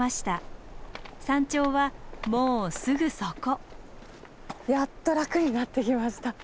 山頂はもうすぐそこ。